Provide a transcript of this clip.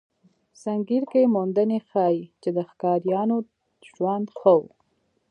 سنګیر کې موندنې ښيي، چې د ښکاریانو ژوند ښه و.